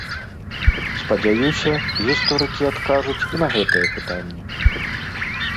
Спадзяюся, гісторыкі адкажуць і на гэтае пытанне.